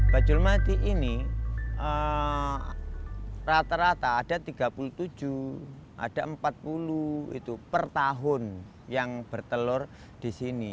bajulmati ini rata rata ada tiga puluh tujuh ada empat puluh itu per tahun yang bertelur di sini